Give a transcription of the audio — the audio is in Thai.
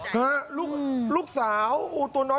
ฮะลูกลูกสาวโอ้โหตัวน้อยดี